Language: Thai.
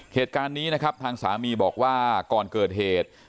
เหตุการณ์นี้นะครับทางสามีบอกว่าก่อนเกิดเหตุ